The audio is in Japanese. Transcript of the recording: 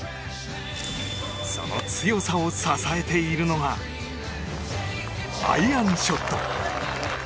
その強さを支えているのがアイアンショット。